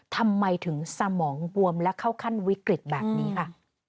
ทำไมถึงสมองบวมและเข้าขั้นวิกฤตแบบนี้ค่ะ